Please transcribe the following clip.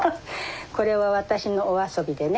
これは私のお遊びでね。